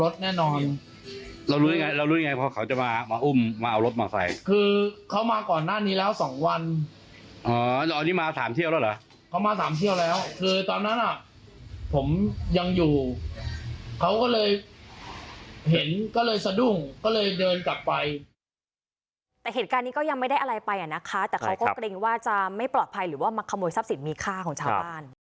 แต่เหตุการณ์นี้ก็ยังไม่ได้อะไรไปนะคะแต่เขาก็เกรงว่าจะไม่ปลอดภัยหรือว่ามาขโมยทรัพย์สินมีค่าของชาวบ้าน